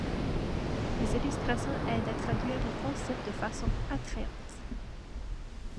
Des illustrations aident à traduire les concepts de façon attrayante.